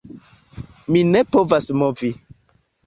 Mi ne povas movi.